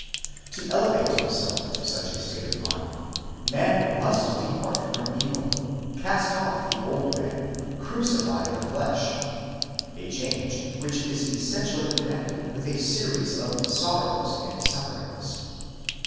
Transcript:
To elevate himself to such a state of mind, man must depart from evil, cast off the old man, crucify the flesh; a change which is essentially connected with a series of sorrows and sufferings.